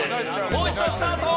もう一度スタート！